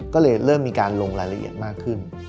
ก็เลยเริ่มมีการลงรายละเอียดมากขึ้น